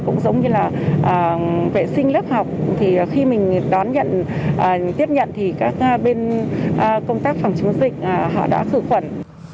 cũng giống như là vệ sinh lớp học thì khi mình đón nhận tiếp nhận thì các bên công tác phòng chống dịch họ đã khử khuẩn